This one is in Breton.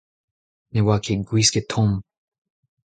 Ne oa ket gwisket tomm.